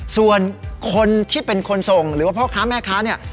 ส่วนคนที่เป็นคนส่งหรือว่าพ่อค้าแม่ค้าเนี่ย